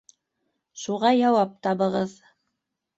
Шуға яуап табығыҙ.